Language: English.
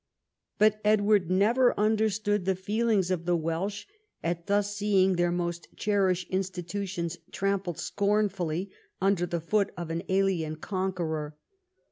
But Edward never understood the feelings of the Welsh at thus seeing their most cherished institu tions trampled scornfully under the foot of an alien conqueror.